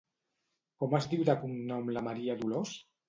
Com es diu de cognom la Maria Dolors?